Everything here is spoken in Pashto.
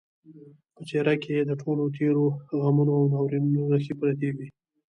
په څېره کې یې د ټولو تېرو غمونو او ناورینونو نښې پرتې وې